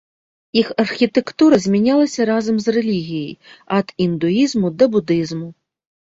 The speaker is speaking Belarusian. Іх архітэктура змянялася разам з рэлігіяй, ад індуізму да будызму.